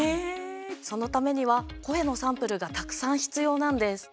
そのためには声のサンプルがたくさん必要なんです。